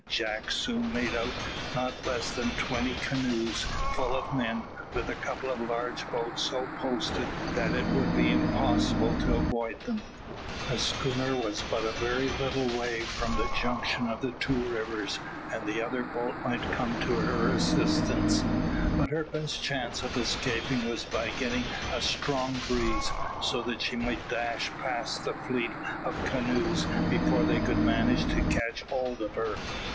Jack soon made out not less than twenty canoes full of men, with a couple of large boats so posted that it would be almost impossible to avoid them. The schooner was but a very little way from the junction of the two rivers, and the other boat might come to her assistance, but her best chance of escaping was by getting a strong breeze, so that she might dash past the fleet of canoes before they could manage to catch hold of her.